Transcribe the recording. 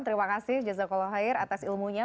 terima kasih jeza qalohair atas ilmunya